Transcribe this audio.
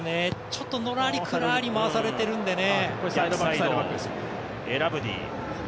ちょっと、のらりくらり回されてるんでね。